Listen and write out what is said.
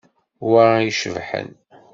Wa i icebḥen.